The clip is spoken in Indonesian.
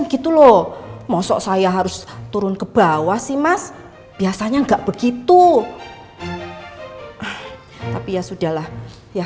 gitu loh masa saya harus turun ke bawah sih mas biasanya nggak begitu tapi ya sudahlah ya